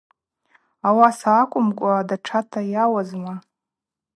Ауаса акӏвымкӏва датшата йауазма.